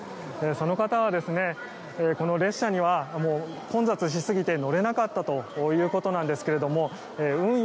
その方はこの列車には混雑しすぎて乗れなかったということなんですが運